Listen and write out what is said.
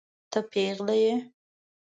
ته پيغله يې.